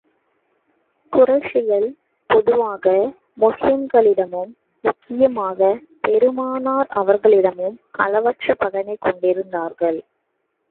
குறைஷிகள் பொதுவாக முஸ்லிம்களிடமும், முக்கியமாகப் பெருமானார் அவர்களிடமும் அளவற்ற பகைமை கொண்டிருந்தார்கள்.